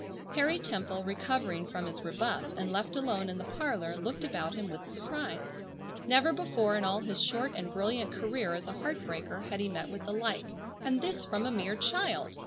Harry Temple, recovering from his rebuff, and left alone in the parlor, looked about him with surprise. Never before in all his short and brilliant career as a heart breaker had he met with the like, and this from a mere child!